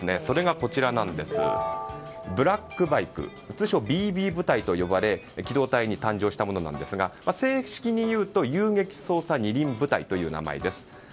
それが、こちらのブラックバイク通常ＢＢ部隊と呼ばれ機動隊に誕生したものなんですが正式に言うと遊撃捜査二輪部隊という名前です。